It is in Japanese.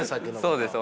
そうです。